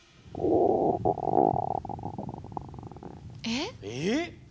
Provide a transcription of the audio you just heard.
えっ？ええ？